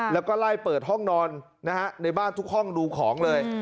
แล้วก็ไล่เปิดห้องนอนในบ้านทุกห้องดูของเลย